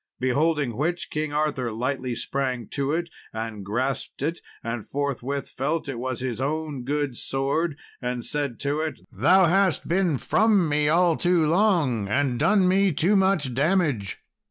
Beholding which, King Arthur lightly sprang to it, and grasped it, and forthwith felt it was his own good sword, and said to it, "Thou hast been from me all too long, and done me too much damage."